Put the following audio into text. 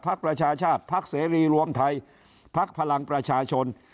ภักดิ์ประชาชาติภักดิ์เสรีรวมไทยภักดิ์พลังประชาชน